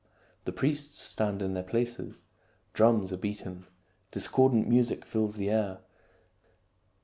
The priests stand in their places. Drums are beaten. Discordant music fills the air.